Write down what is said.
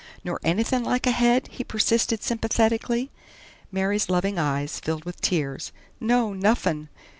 "Nor anythin' like a head?" he persisted sympathetically. Mary's loving eyes filled with tears. "No, nuffen!"